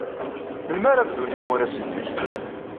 Melmi ara bdun yimuras-nnek?